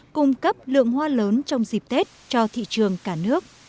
cung cấp lượng hoa lớn trong dịp tết cho thị trường cả nước